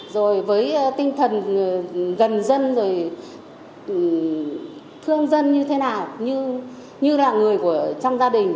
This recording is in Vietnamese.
rồi với tinh thần gần dân rồi thương dân như thế nào như là người trong gia đình